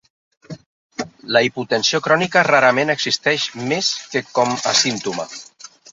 La hipotensió crònica rarament existeix més que com a símptoma.